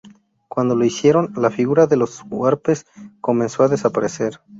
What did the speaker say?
Cuando lo hicieron, la figura de los huarpes comenzó a desaparecer.